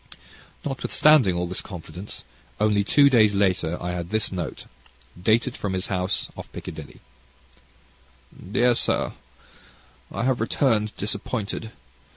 Notwithstanding all this confidence, only two days later I had this note, dated from his house off Piccadilly: Dear Sir, I have returned disappointed.